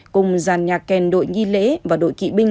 cùng giàn nhạc kèn đội nghi lễ và đội kỵ binh